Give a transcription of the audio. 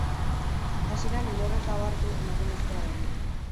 Hasieran inor ez da ohartu emakumezkoa denik.